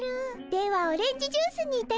ではオレンジジュースにいたしましょう。